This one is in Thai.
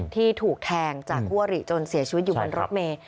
ที่ถูกแทงจากคู่อริจนเสียชีวิตอยู่บนรถเมย์